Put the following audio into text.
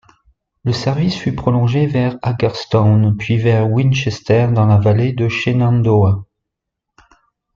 Le service fut prolongé vers Hagerstown, puis vers Winchester dans la Vallée de Shenandoah.